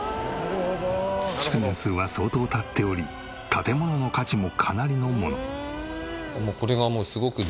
築年数は相当経っており建物の価値もかなりのもの。